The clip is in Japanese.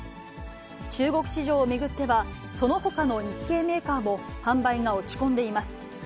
中国市場を巡っては、そのほかの日系メーカーも販売が落ち込んでいます。